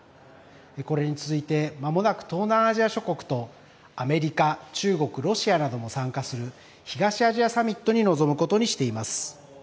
これに続いてまもなく東南アジア諸国とアメリカ、中国、ロシアなども参加する東アジアサミットに臨むことにしています。